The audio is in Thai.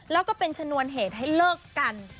แล้วก็เป็นชนวนเหตุให้เลิกกัน